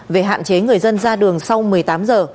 về hạn chế người dân ra đường sau một mươi tám giờ